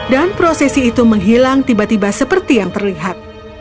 dan prosesi itu menghilang tiba tiba seperti yang terlihat